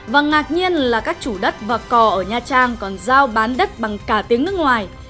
và ngạc nhiên là các chủ đất và cò ở nha trang còn giao bán đất bằng cả tiếng nước ngoài